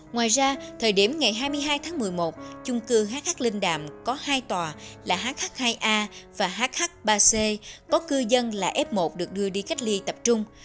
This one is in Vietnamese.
ngoài ra thời điểm ngày hai mươi hai tháng một mươi một chung cư hh linh đàm có hai tòa là hh hai a và hh ba c có cư dân là f một được đưa đi cách ly tập trung